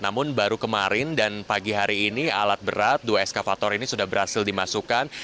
namun baru kemarin dan pagi hari ini alat berat dua eskavator ini sudah berhasil dimasukkan